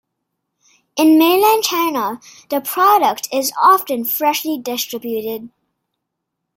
In mainland China the product is often freshly distributed.